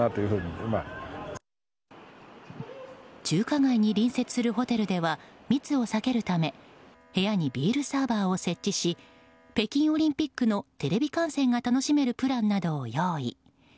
中華街に隣接するホテルでは密を避けるため部屋にビールサーバーを設置し北京オリンピックのテレビ観戦が楽しめるプランなどを用意。